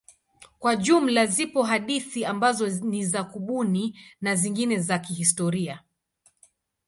Kwa jumla zipo hadithi ambazo ni za kubuni na zingine za kihistoria.